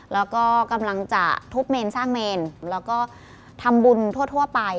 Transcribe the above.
แล้วก็กำลังจะทุบเมนสร้างเมนแล้วก็ทำบุญทั่วไป